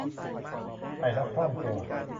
ใส่แล้วคล่องตัว